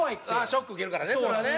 ショック受けるからそれはね。